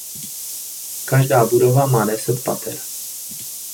Každá budova má deset pater.